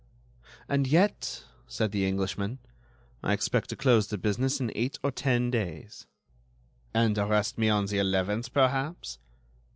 "And yet," said the Englishman, "I expect to close the business in eight or ten days." "And arrest me on the eleventh, perhaps?"